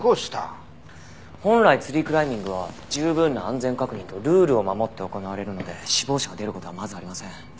本来ツリークライミングは十分な安全確認とルールを守って行われるので死亡者が出る事はまずありません。